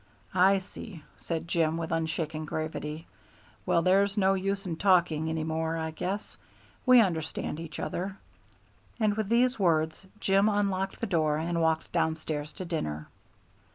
"I see," said Jim, with unshaken gravity. "Well, there's no use in talking any more, I guess. We understand each other." And with these words Jim unlocked the door and walked downstairs to dinner.